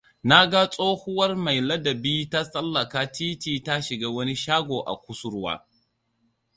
Na ga tsohuwar mai ladabi ta tsallaka titi ta shiga wani shago a kusurwa.